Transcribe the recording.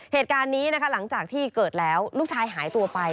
เหตุการณ์นี้นะคะหลังจากที่เกิดแล้วลูกชายหายตัวไป